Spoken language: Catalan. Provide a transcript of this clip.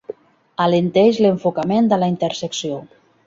Alenteix l'enfocament de la intersecció.